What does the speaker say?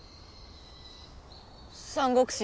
「三国志」